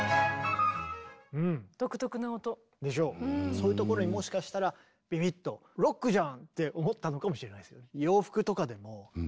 そういうところにもしかしたらビビッと「ロックじゃん！」って思ったのかもしれないですね。